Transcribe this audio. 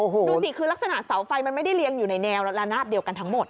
ดูสิคือลักษณะเสาไฟมันไม่ได้เรียงอยู่ในแนวระนาบเดียวกันทั้งหมด